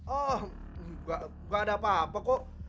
oh enggak ada apa apa kok